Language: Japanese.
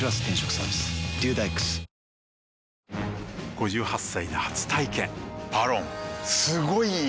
５８歳で初体験「ＶＡＲＯＮ」すごい良い！